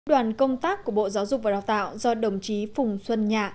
đoàn công tác của bộ giáo dục và đào tạo do đồng chí phùng xuân nhạ